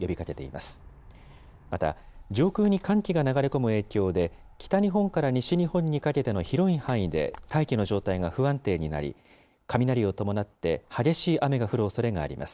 また上空に寒気が流れ込む影響で、北日本から西日本にかけての広い範囲で、大気の状態が不安定になり、雷を伴って激しい雨が降るおそれがあります。